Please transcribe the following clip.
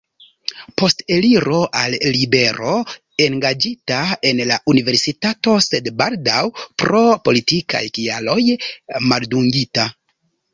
Post eliro al libero engaĝita en la Universitato, sed baldaŭ pro politikaj kialoj maldungita.